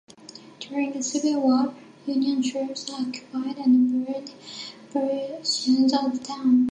During the Civil War, Union troops occupied and burned portions of the town.